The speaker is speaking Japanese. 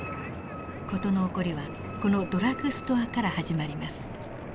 事の起こりはこのドラッグストアから始まります。